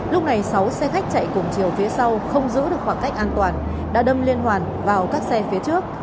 lúc này sáu xe khách chạy cùng chiều phía sau không giữ được khoảng cách an toàn đã đâm liên hoàn vào các xe phía trước